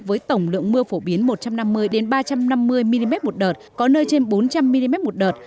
với tổng lượng mưa phổ biến một trăm năm mươi ba trăm năm mươi mm một đợt có nơi trên bốn trăm linh mm một đợt